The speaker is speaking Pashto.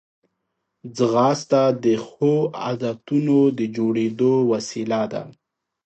ځغاسته د ښو عادتونو د جوړېدو وسیله ده